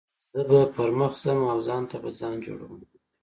زه به پر مخ ځم او ځان ته به ځای جوړوم.